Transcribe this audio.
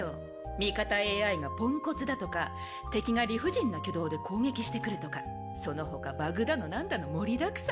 味方ＡＩがポンコツだとか敵が理不尽な挙動で攻撃してくるとかそのほかバグだのなんだの盛りだくさん。